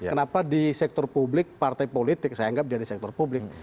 kenapa di sektor publik partai politik saya anggap dia di sektor publik